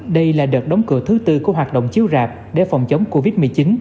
đây là đợt đóng cửa thứ tư của hoạt động chiếu rạp để phòng chống covid một mươi chín